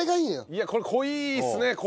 いやこれ濃いっすね。